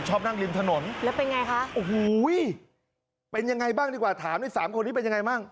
ชอบนั่งริมถนนโอ้โหเป็นอย่างไรบ้างดีกว่าถามสามคนนี้เป็นอย่างไรบ้าง